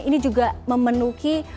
ini juga memenuhi